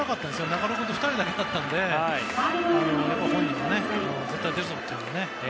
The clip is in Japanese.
中野君と２人だけだったので本人も絶対に出るぞという。